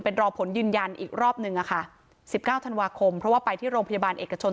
เป็นรอผลยืนยันอีกรอบนึงอะค่ะ๑๙ธันวาคมเพราะว่าไปที่โรงพยาบาลเอกชน